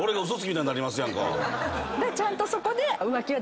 ちゃんとそこで。